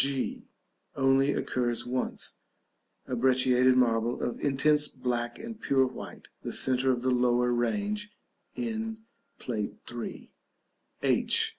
g. Occurs only once. A brecciated marble of intense black and pure white, the centre of the lower range in Plate III. h.